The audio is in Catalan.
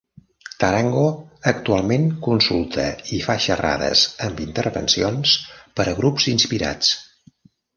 Tarango actualment consulta i fa xerrades amb intervencions per a grups inspirats.